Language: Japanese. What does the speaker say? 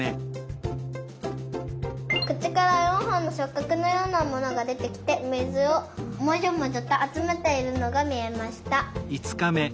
くちから４ほんのしょっかくのようなものがでてきてみずをもじょもじょとあつめているのがみえました。